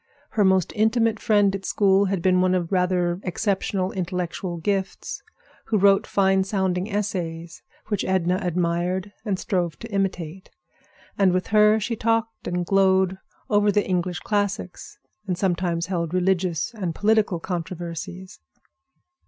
Her most intimate friend at school had been one of rather exceptional intellectual gifts, who wrote fine sounding essays, which Edna admired and strove to imitate; and with her she talked and glowed over the English classics, and sometimes held religious and political controversies.